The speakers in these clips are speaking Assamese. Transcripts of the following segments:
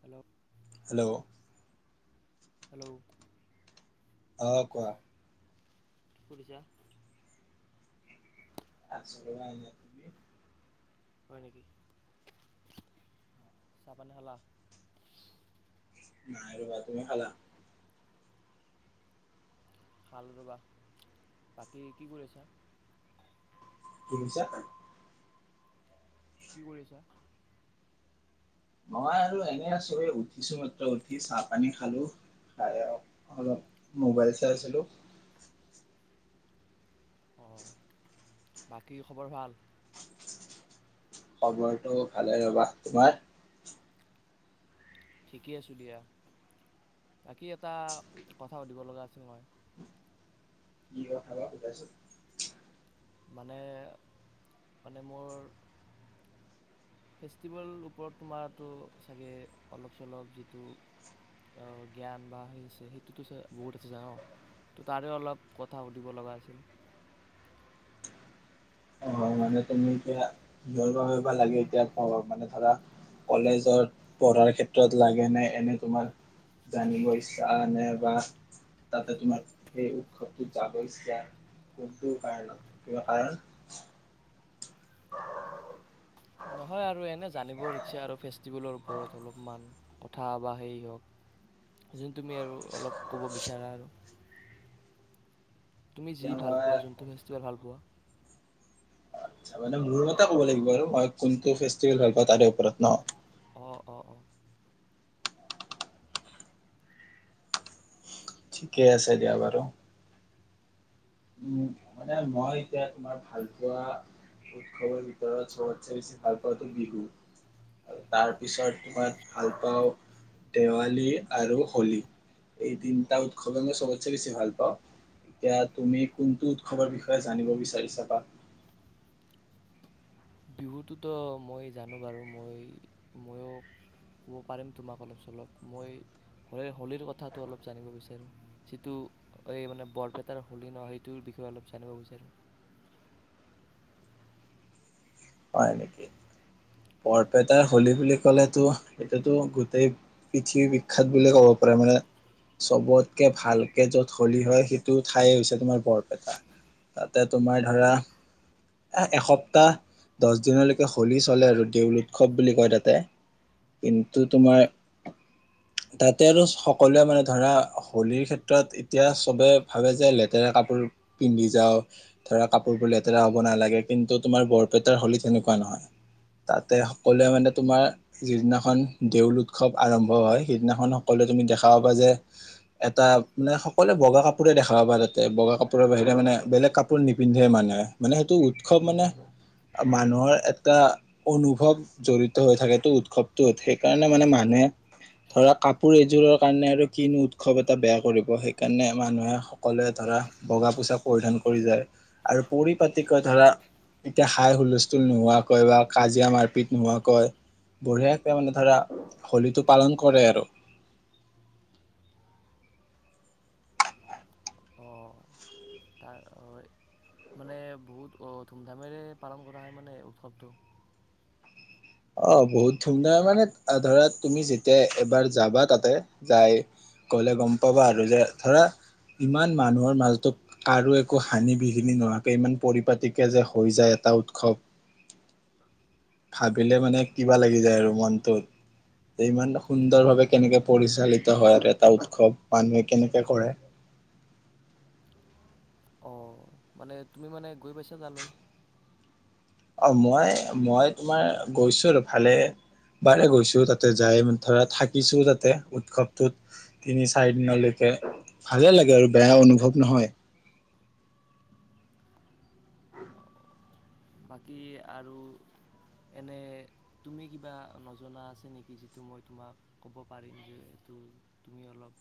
হেল্ল' [unintelligible] হেল্ল' হেল্ল' অ' কোৱা? কি কৰিছা? আছোঁ আৰু এনেই। হয় নেকি চাহ পানী খালা? নাই ৰ'বা। তুমি খালা? ভাল ৰ'বা। বাকী কি কৰি আছা? ছ [unintelligible] কি কৰি আছা? মই আৰু এনে আছোৱেই। উঠিছো মাত্ৰ উঠি চাহ পানী খালো। খাই অলপ মোবাইল চাই আছিলো। অ' বাকী খবৰ ভাল? খবৰটো ভালেই ৰ'বা। তোমাৰ? ঠিকেই আছোঁ দিয়া। বাকী এটা কথা পাতিব লগা আছিল মই। কি কথা বা সোধাচোন? মানে, মানে মোৰ ফেষ্টিভেলৰ ওপৰত তোমাৰ টো চাগে অলপ চলপ যিটো জ্ঞান বা আছে। সেইটোতো বহুত আছে ত' তাৰে অলপ কথা সুধিব লগা আছিল। অ হয়, মানে তুমিৰ ধৰা ঘৰুৱা ভাবে লাগেনে এতিয়া মানে ধৰা কলেজত পঢ়াৰ ক্ষেত্ৰত লাগে নে, এনে তোমাৰ জানিব ইচ্ছা নে বা তাতে তোমাৰ সেই উৎসৱটোত যাব ইচ্ছা, কোনটো কাৰণত কাৰণ? নহয় আৰু এনে জানিবৰ ইচ্ছা আৰু ফেষ্টিভেলৰ ওপৰত অলপমান কথা বা সেই আৰু তুমি আৰু অলপ ক'ব বিচাৰা আৰু তুমি এতিয়া যি ভাল পোৱা, মই যোনটো ফেষ্টিভেল ভাল পোৱা। তাৰ মানে মোৰ মতে ক'ব লাগিব আৰু মই কোনটো ফেষ্টিভেল ভাল পাওঁ তাৰে ওপৰত নহ? অ' অ' অ' ঠিকে আছে দিয়া বাৰু। মানে মই এতিয়া তোমাৰ ভাল পোৱা উৎসৱৰ ভিতৰত সবতচে বেছি ভাল পাওঁতো বিহু আৰু তাৰ পিছত তোমাৰ ভাল পাওঁ দেৱালী আৰু হোলী। এই তিনিটা উৎসৱে মই সবতচে বেছি ভাল পাওঁ। এতিয়া তুমি কোনটো উৎসৱৰ বিষয়ে জানিব বিচাৰিছাবা? বিহুটোতো মই জানো বাৰু, মই ময়ো ক'ব পাৰিম তোমাক অলপ চলপ। মই হইৰ-হোলীৰ কথাটো অলপ জানিব বিচাৰোঁ যিটো এই মানে বৰপেটাৰ হোলী ন সেইটোৰ বিষয়ে অলপ জানিব বিচাৰোঁ। হয় নেকি? বৰপেটাৰ হোলী বুলি ক'লেতো এইটোতো গোটেই পৃথিৱী বিখ্যাত বুলি ক'ব পাৰে মানে সবতকে ভালকে য'ত হোলী হয় সেইটো ঠাই হৈছে তোমাৰ বৰপেটা। তাতে তোমাৰ ধৰা এ এসপ্তাহ দশ দিনলৈকে হোলী চলে আৰু দেউল উৎসৱ বুলি কয় তাতে কিন্তু তোমাৰ তাতে আৰু সকলোৱে মানে ধৰা হোলীৰ ক্ষেত্ৰত এতিয়া সবে ভাবে যে লেতেৰা কাপোৰ পিন্ধি যাওঁ, ধৰা কাপোৰবোৰ লেতেৰা হ'ব নালাগে কিন্তু তোমাৰ বৰপেট তাৰ হলী তেনেকুৱা নহয়। তাতে সকলোৱে মানে তোমাৰ যিদিনাখন দেউল উৎসৱ আৰম্ভ হয় সেইদিনাখন সকলোৱে তুমি দেখাব পা যে এটা মানে সকলোৱে বগা কাপোৰে দেখা পাবা তাতে। বগা কাপোৰৰ বাহিৰে মানে বেলেগ কাপোৰ নিপিন্ধে মানুহে, মানে সেইটো উৎসৱ মানে মানুহৰ এটা অনুভৱ জড়িত হৈ থাকেতো উৎসৱটোত সেইকাৰণে মানে মানুহে ধৰা তো কাপোৰ এযোৰৰ কাৰণে আৰু কিনো উৎসৱ এটা বেয়া কৰিব, সেইকাৰণে মানুহে সকলোৱে ধৰা বগা পোচাক পৰিধান কৰি যায় আৰু পৰিপাটকৈ ধৰা এতিয়া হাই-হুলস্থুল নোহোৱাকৈ বা কাজিয়া মাৰপিট নোহোৱাকৈ বঢ়িযাকে মানে ধৰা হোলীটো পালন কৰে আৰু। অহ। তাৰ অহ, মানে বহুত ধুমধামেৰে পালন কৰা হয় মানে উৎসৱটো? অহ, বহুত ধুমধাম মানে আ, ধৰা তুমি যেতিয়া এবাৰ যাবা তাতে যাই গ'লে গম পাবা আৰু যে ধৰা ইমান মানুহৰ মাজতো কাৰো একো হানি বিঘিনি নোহোৱাকে ইমান পৰিপাটিকে যে হৈ যায় এটা উৎসৱ। ভাব [unintelligible] মানে কিবা লাগি যায় আৰু মনটোত, যে ইমান সুন্দৰভাৱে কেনেকে পৰিচালিত হয় আৰু এটা উৎসৱ, মানুহে কেনেকে কৰে। অহ, মানে তুমি মানে গৈ পাইছা তালৈ? অহ, মই-মই তোমাৰ গৈছোঁ আৰু ভালে বাৰে গৈছোঁ। তাতে যাই ধৰা থাকিছোঁ তাতে, উৎসৱটোত তিনি চাৰি দিনলৈকে ভালে লাগে আৰু বেয়া অনুভৱ নহয়। বাকী আৰু এনে তুমি কিবা নজনা আছে নেকি যিটো মই তোমাক ক'ব পাৰিম যে এইটো তুমি অলপ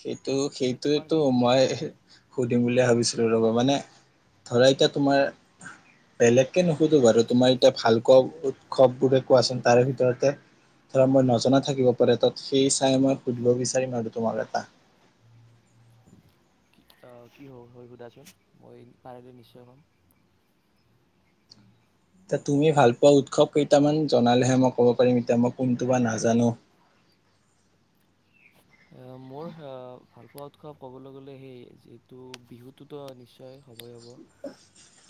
সেইটো মানে তোমাৰ সেইটোয়েতো যাতে অলপ মই লাভ হয় সুধিম বুলিয় ভাবিছিলোঁ, ৰব মানে ধৰা এতিয়া তোমাৰ বেলেগকে নুসুধো বাৰু তোমাৰ এতিয়া ভালক উৎসৱ বোৰে কোৱাচোন, তাৰে ভিতৰতে ধৰা মই নজনা থাকিব পাৰে তাত। সেই চাই মই সুধিব বিচাৰিম আৰু তোমাক এটা অহ, কি হ-হৈ সুধাচোন, মই পাৰিলে নিশ্চয় ক'ম। টা তুমি ভাল পোৱা উৎসৱ কেইটামান জনালেহে মই ক'ব পাৰিম এতিয়া মই কোনটো বা নাজানোঁ। অহ, মোৰ হ, ভালপোৱা উৎসৱ ক'বলৈ গ'লে সেই যিটো বিহুতোতো নিশ্চয় হ'বই হ'ব।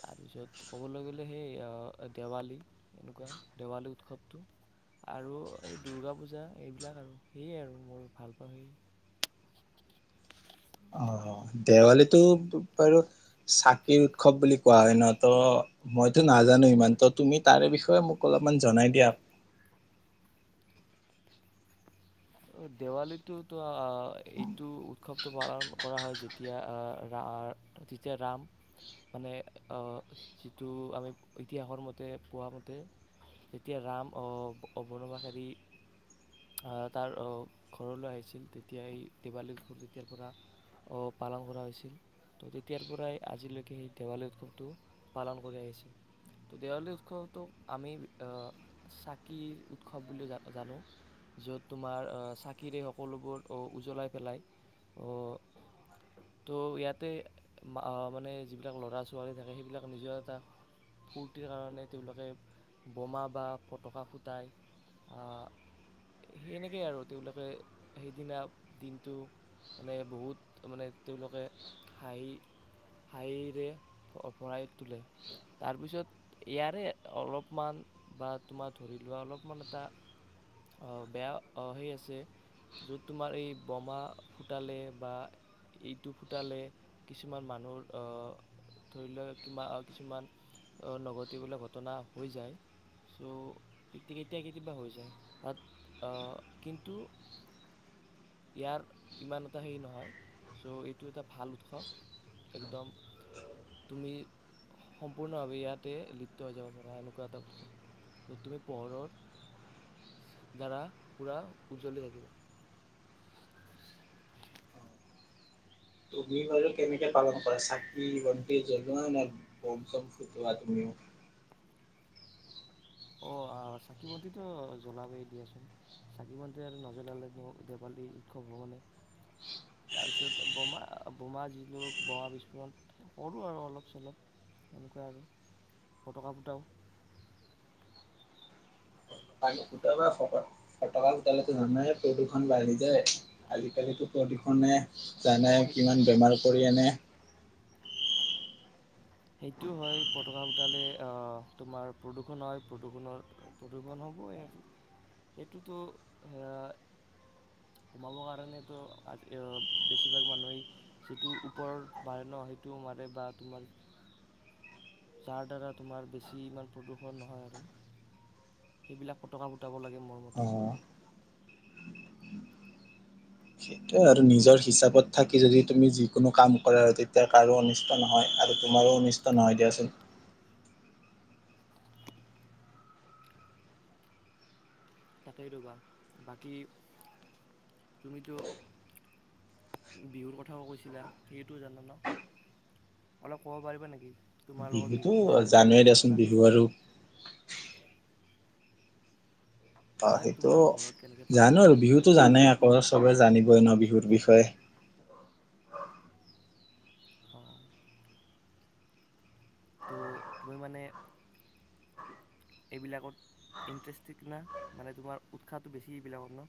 তাৰ পিছত ক'বলৈ গ'লে সেই অহ, দেৱালী এনেকুৱা দেৱালী উৎসৱটো আৰু এই দুৰ্গা পূজা এইবিলাক আৰু সেয়ে আৰু মোৰ ভাল অ', দেৱালীটোবাৰু চাকিৰ উৎসৱ বুলি কোৱা হয় ন' ত' মইতো নাজানো ইমান ত' তুমি তাৰে বিষয়ে মোক অলপমান জনাই দিয়া। অ', দেৱালীতটো অ', এইটো উৎসৱটো পালন কৰা হয়। যেতিয়া ৰা, যেতিয়া ৰাম মানে যিটো আমি ইতিহাসৰ মতে পোৱা মতে যেতিয়া ৰাম অ', বনবাস এৰি তাৰ ঘৰলৈ আহিছিল তেতিয়াই দেৱালী উৎসৱ যেতিয়াৰ পৰা অ', পালন কৰা হৈছিল তো তেতিয়াৰ পৰাই আজিলৈকে সেই দেৱালী উৎসৱটো পালন কৰি আহিছে তো দেৱালী উৎসৱটোক আমি চাকিৰ উৎসৱ বুলি জানো তোমাৰ চাকিৰে সকলোবোৰ উজ্বলাই পেলাই, তো ইয়াতে মানে যিবিলাক ল'ৰা-ছোৱালী থাকে সেইবিলাক নিজৰ এটা ফূৰ্তিৰ কাৰণে তেওঁলোকে বোমা বা ফটকা ফুটাই আ সেনেকেই আৰু তেওঁলোকে সেইদিনা দিনটো মানে বহুত মানে তেওঁলোকে হাঁহি হাঁহিৰে ভৰাই তোলে তাৰপিছত ইয়াৰে অলপমান বা তোমাৰ ধৰি লোৱা অলপমান এটা অ' বেয়া অ', সেই আছে য'ত তোমাৰ এই বমা ফুটালে বা এইটো ফুটালে কিছুমান মানুহৰ ধৰি লওঁক কিমা কিছুমান নঘটিবলৈ ঘটনা হৈ যায় চ' তেতি কেতিয়া কেতিয়াবা হৈ যায়, বাত অ', কিন্তু ইয়াৰ ইমান এটা হেৰি নহয় চ' এইটো এটা ভাল উৎসৱ, একদম তুমি সম্পূৰ্ণভাৱে ইয়াতে লিপ্ত হৈ যাব পাৰা এনেকুৱা এটা উৎসৱ, য'ত তুমি পোহৰৰ দ্বাৰা পুৰা উজ্জ্বলি থাকিবা। তুমি বাৰু কেনেকে পালন কৰা চাকি-বন্তি জ্বলোৱা নে বম চম ফুটোৱা তুমিও? অঁ চাকি বন্তিটো জ্বলাবই দিয়াচোন। চাকি বন্তি আৰু নজ্বলালেনো দেৱালী উৎসৱ হ'ব নে। তাৰপিছত বোমা, বোমা যিটো বোমা বিস্ফোৰণ, কৰোঁ আৰু অলপ চলপ এনেকুৱা আৰু ফটকা ফুটাও। ফটকা ফটকা ফুটালেতো জানাই প্ৰদূষণ বাঢ়ি যায়। আজিকালিতো প্ৰদূষণে অ', জানাই সেই কিমান বেমাৰ কৰি আনে। সেইটো হয়। ফটকা ফুটালে অহ তোমাৰ প্ৰদূষণ হয় প্ৰদূষণৰ প্ৰদূষণ হ'বই। সেইটোতো এ সোমাব কাৰণেতো, আজি বেছিভাগ মানুহে যিটো ওপৰত মাৰে ন সেইটো মাৰে বা তোমাৰ যাৰ দ্বাৰা তোমাৰ বেছি ইমান প্ৰদূষণ নহয় আৰু। সেইবিলাক ফটকা ফুটাব লাগে মোৰ অ মতে। সেইটোৱে আৰু নিজৰ হিচাপত থাকি যদি তুমি যিকোনো কাম কৰা আৰু তেতিয়া কাৰো অনিষ্ট নহয় আৰু তোমাৰো অনিষ্ট নহয় দিয়াচোন। তাকেই ৰ'বা। বাকী তুমিতো বিহুৰ কথাও কৈছিলা সেইটো জানা ন, অলপ ক'ব পাৰিবা নেকি? তোমাৰ লগত বিহুতো বিহুটো কেনেকে পালন কৰা জানুৱাৰীত হয় আছেন বা বিহু আৰু। অ মানে সেইটো তোমাৰ ঘৰত কেনেকে পালন জানো কৰা আৰু হয় বা বিহুতো জানে সেনেকুৱা আকৌ চবেই জানিবই ন বিহুৰ বিষয়ে। অ। তো তুমি মানে এইবিলাকত ইন্টাৰেষ্টেক না। মানে তোমাৰ উৎসাহটো বেছি এইবিলাকত ন?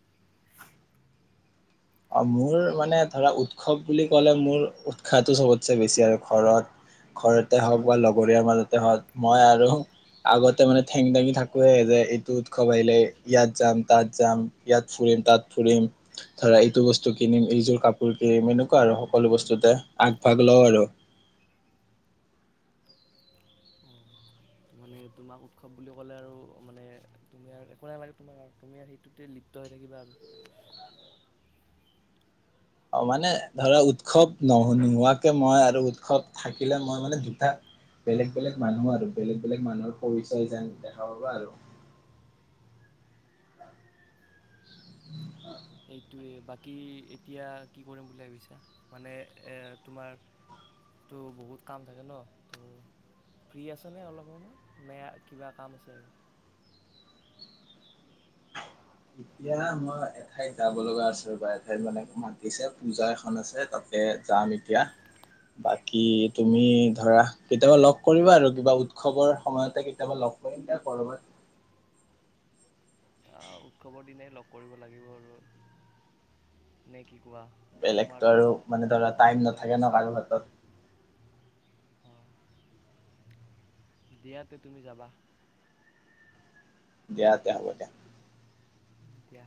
অ মোৰ মানে ধৰা উৎসৱ বুলি ক'লে মোৰ উৎসাহটো চবতচে বেছি আৰু ঘৰত। ঘৰতে হওক বা লগৰীযয়া মাজতে হওক। মই আৰু আগতে মানে ঠেং দাঙি থাকোৱে যে এইটো উৎসৱ আহিলে ইয়াত যাম তাত যাম ইয়াত ফুৰিম তাত ফুৰিম ধৰা। টো বস্তু কিনিম এইযোৰ কাপোৰ কিনিম এনেকুৱা আৰু সকলো বস্তুতে আগভাগ লওঁ আৰু। অ মানে তোমাক উৎসৱ বুলি ক'লে আৰু মানে তুমি আৰু একো নালাগে তোমাক আৰু তুমি সেইটোতে লিপ্ত হৈ থাকিবা আৰু। অ মানে ধৰা উৎসৱ নহ নোহোৱাকে মই আৰু উৎসৱ থাকিলে মই মানে দুটা বেলেগ বেলেগ মানুহ আৰু বেলেগ বেলেগ মানুহৰ পৰিচয় যেন দেখা পাবা আৰু। এইটোৱে বাকী এতিয়া কি কৰিম বুলি ভাবিছা? মানে তোমাৰতো বহুত কাম থাকে ন? ত' ফ্ৰী আচানে অলপ সময় নে কিবা কাম আছে আৰু? এতিয়া মই এঠাইত যাব লগা আছ ৰ'বা এঠাইত মানে মাতিছে পূজা এখন আছে তাতে যাম এতিয়া। বাকী তুমি ধৰা কেতিয়াবা লগ কৰিবা আৰু কিবা উৎসৱৰ সময়তে কেতিয়াবা লগ কৰিম এতিয়া কৰবাত। আহ উৎসৱৰ দিনাই লগ কৰিব লাগিব আৰু নে কি। কোৱা বেলেগতো তোমাৰতো আৰু মানে ধৰা টাইম নাথাকে ন কাৰো হাতত। অহ। দিয়া তে তুমি যাবা। দিয়া তে হ'ব দিয়া। দিয়া।